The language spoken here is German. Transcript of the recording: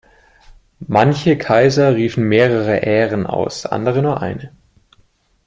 Manche Kaiser riefen mehrere Ären aus, andere nur eine.